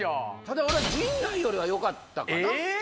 俺は陣内よりはよかったかな。